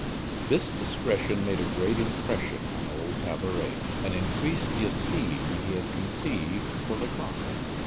This discretion made a great impression on old Tabaret, and increased the esteem he had conceived for Lecoq.